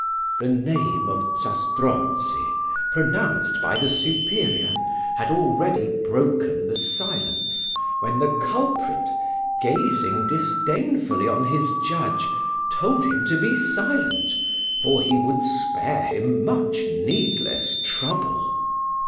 The name of Zastrozzi, pronounced by the superior, had already broken the silence, when the culprit, gazing disdainfully on his judge, told him to be silent, for he would spare him much needless trouble.